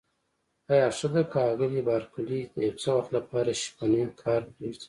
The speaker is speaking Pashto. آیا ښه ده که آغلې بارکلي د یو څه وخت لپاره شپنی کار پرېږدي؟